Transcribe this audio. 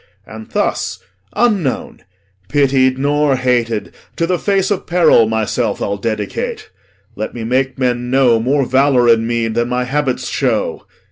And thus unknown, Pitied nor hated, to the face of peril Myself I'll dedicate. Let me make men know More valour in me than my habits show.